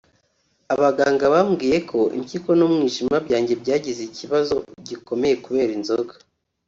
abaganga bambwiye ko impyiko n’umwijima byanjye byagize ikibazo gikomeye kubera inzoga